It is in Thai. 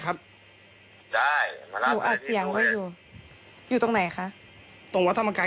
อ่าอย่างไงครับคุณ